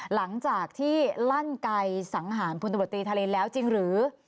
หลังจากที่ลั่นไกลสังหารพุทธบทฤษฐรรณแล้วจริงหรือ